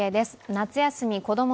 夏休み子ども